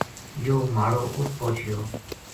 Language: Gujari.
یوہ ماڑو اُت پوہچیو